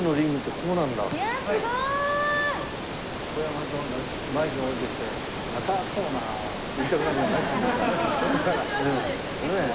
ここへ上がるとなんかマイクが下りてきて「赤コーナー」って言いたくなるよね。